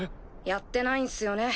やってないんすよね？